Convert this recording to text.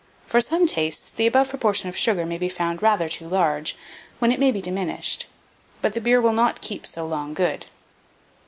For some tastes, the above proportion of sugar may be found rather too large, when it may be diminished; but the beer will not keep so long good.